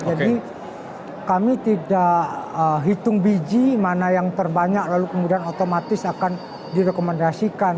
jadi kami tidak hitung biji mana yang terbanyak lalu kemudian otomatis akan direkomendasikan